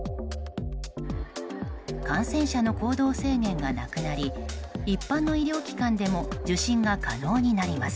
感染者の行動制限がなくなり一般の医療機関でも受診が可能になります。